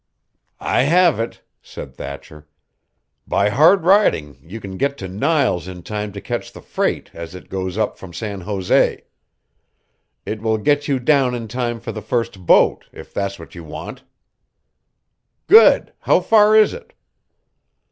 "I have it," said Thatcher. "By hard riding you can get to Niles in time to catch the freight as it goes up from San Jose. It will get you down in time for the first boat, if that's what you want." "Good! How far is it?"